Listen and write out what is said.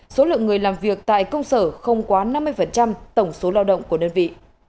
số lượng người làm việc tại công sở không quá năm mươi tổng số lao động của đơn vị